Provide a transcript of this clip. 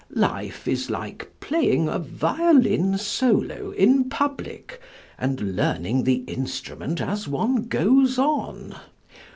Life is like playing a violin solo in public and learning the instrument as one goes on.